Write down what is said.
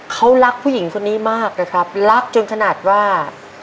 เขารักผู้หญิงคนนี้มากนะครับรักจนขนาดว่า